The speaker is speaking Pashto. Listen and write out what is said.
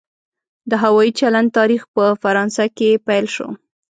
د هوایي چلند تاریخ په فرانسه کې پیل شو.